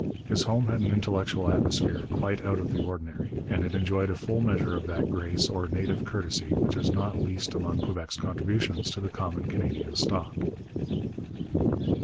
His home had an intellectual atmosphere quite out of the ordinary, and it enjoyed a full measure of that grace or native courtesy which is not least among Quebec's contributions to the common Canadian stock.